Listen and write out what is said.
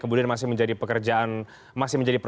pemerintah menyelesaikan masalah ini